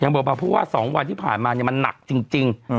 เบาเพราะว่า๒วันที่ผ่านมาเนี่ยมันหนักจริง